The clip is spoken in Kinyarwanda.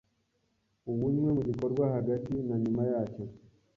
uwunywe mu gikorwa hagati na nyuma yacyo